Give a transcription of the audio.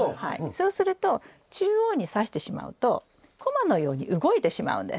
そうすると中央にさしてしまうとこまのように動いてしまうんです。